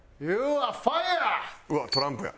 うわっトランプや。